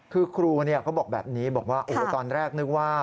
คือครูเขาบอกแบบนี้บอกว่าโอ้โหตอนแรกนึกว่า